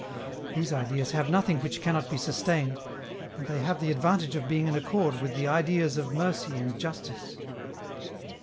These ideas have nothing which cannot be sustained, and they have the advantage of being in accord with the ideas of mercy and justice."